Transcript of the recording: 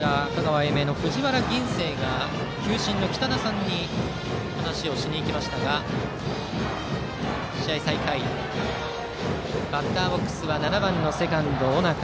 １１番をつけた香川・英明の藤原銀星が球審の北田さんに話をしに行きましたが試合再開でバッターボックスは７番セカンドの尾中。